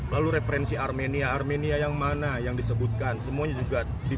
bupati ciamis herdiat sunaria yang ikut bergabung dalam unjuk rasa